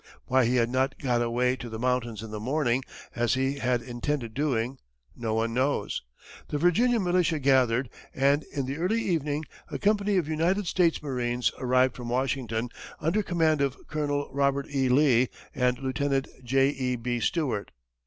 Why he had not got away to the mountains in the morning, as he had intended doing, no one knows. The Virginia militia gathered, and in the early evening, a company of United States marines arrived from Washington, under command of Colonel Robert E. Lee and Lieutenant J. E. B. Stuart.